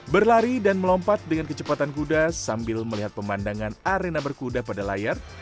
berlari dan melompat dengan kecepatan kuda sambil melihat pemandangan arena berkuda pada layar